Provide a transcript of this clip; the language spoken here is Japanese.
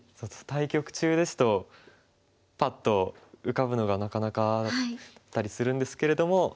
対局中ですとパッと浮かぶのがなかなかだったりするんですけれども。